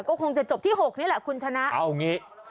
ก็คงจะจบที่๖นี่แหละคุณชนะ